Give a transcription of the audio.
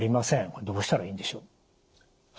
これどうしたらいいんでしょう？